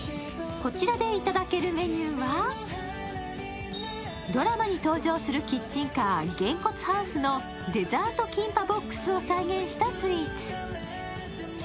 こちらでいただけるメニューは、ドラマに登場するキッチンカーのデザートキンパボックスを再現したスイーツ。